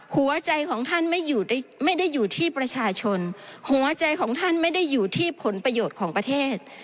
หัวใจของท่านไม่ได้อยู่ที่ประชาชนหัวใจของท่านไม่ได้อยู่ที่ผลประโยชน์ของประเทศ